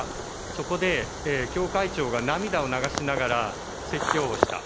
そこで、教会長が涙を流しながら説教をした。